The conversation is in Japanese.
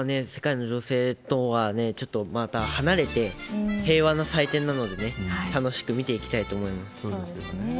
世界の情勢等からちょっとまた離れて、平和の祭典なので、楽しく見ていきたいと思いますね。